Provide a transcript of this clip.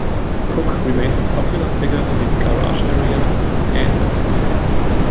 Cook remains a popular figure in the garage area and among fans.